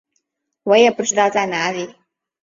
我也不知道在哪里